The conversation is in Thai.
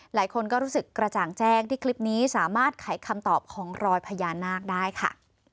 หลายคนก็รู้สึกกระจ่างแจ้งที่คลิปนี้สามารถไขคำตอบของรอยพญานาคได้ค่ะ